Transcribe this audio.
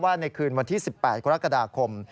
ในคืนวันที่๑๘กรกฎาคม